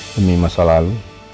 demi masa lalu